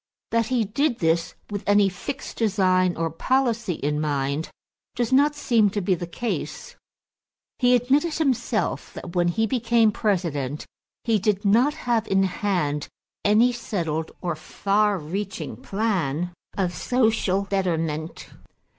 That he did this with any fixed design or policy in mind does not seem to be the case. He admitted himself that when he became President he did not have in hand any settled or far reaching plan of social betterment.